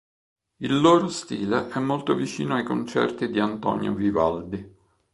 Il loro stile è molto vicino ai concerti di Antonio Vivaldi.